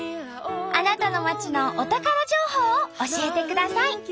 あなたの町のお宝情報を教えてください。